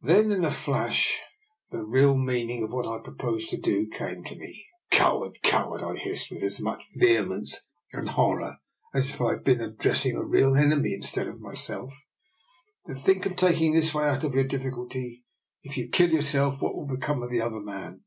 Then in a flash the real meaning of what I proposed to do came to me. " Coward, coward," I hissed, with as much vehemence and horror as if I had been ad dressing a real enemy instead of myself, " to think of taking this way out of your diffi culty! If you kill yourself, what will become of the other man?